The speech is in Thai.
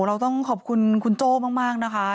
เราต้องขอบคุณคุณโจ้มากนะคะ